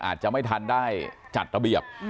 อาจจะไม่ทันได้จัดระเบียบ